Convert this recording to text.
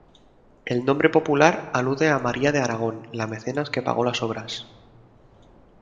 El nombre popular alude a María de Aragón, la mecenas que pagó las obras.